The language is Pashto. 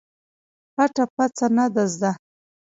پټه پڅه نه ده زده.